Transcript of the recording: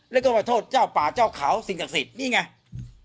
แล้วก็โทษเจ้าป่าเจ้าเขาสิ่งศักดิ์สิทธิ์นี่ไงแล้วตอนที่ไปนะหมอป่า